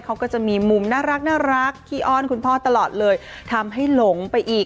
เขาก็จะมีมุมน่ารักขี้อ้อนคุณพ่อตลอดเลยทำให้หลงไปอีก